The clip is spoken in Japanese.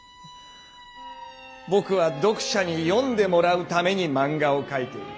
僕は読者に「読んでもらうため」にマンガを描いている！